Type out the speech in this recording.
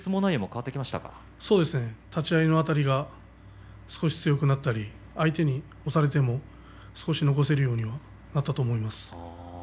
立ち合いのあたりが強くなったり相手に押されても残せるようになったと思います。